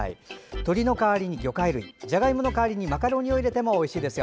鶏の代わりに魚介類じゃがいもの代わりにマカロニを入れてもおいしいですよ。